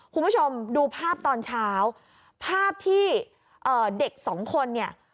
คุณผู้ชมดูภาพตอนเช้าภาพที่เอ่อเด็กสองคนเนี่ย